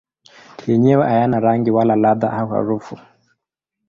Yenyewe hayana rangi wala ladha au harufu.